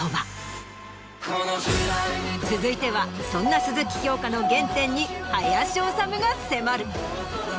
続いてはそんな鈴木京香の原点に林修が迫る。